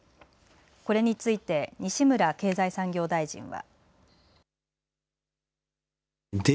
これについて西村経済産業大臣は。